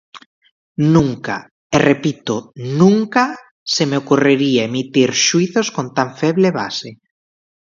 Nunca, e repito, nunca, se me ocorrería emitir xuízos con tan feble base.